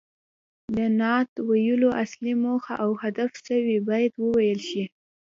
د نعت ویلو اصلي موخه او هدف څه وي باید وویل شي.